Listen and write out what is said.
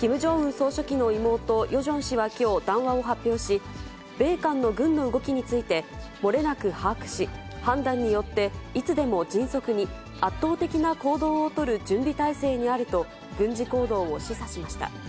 総書記の妹、ヨジョン氏はきょう、談話を発表し、米韓の軍の動きについて漏れなく把握し、判断によって、いつでも迅速に圧倒的な行動を取る準備態勢にあると、軍事行動を示唆しました。